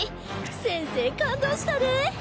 先生感動したで。